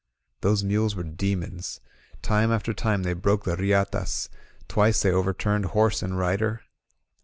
Those mules were de mons. Time after time they broke the riatas; twice they overturned horse and rider.